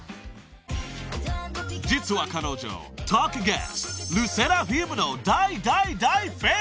［実は彼女トークゲストＬＥＳＳＥＲＡＦＩＭの大大大ファン］